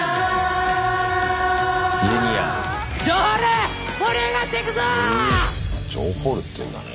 Ｊｒ．城ホールっていうんだね。